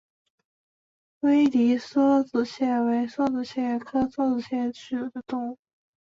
威迪梭子蟹为梭子蟹科梭子蟹属的动物。